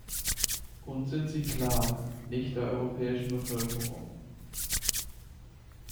Uns sind sie klar, nicht der europäischen Bevölkerung.